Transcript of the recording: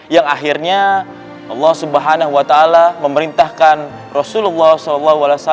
yang akhirnya allah swt memerintahkan rasulullah saw